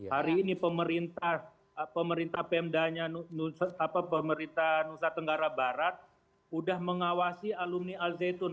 hari ini pemerintah pmd nya pemerintah nusa tenggara barat udah mengawasi alumni al zaitun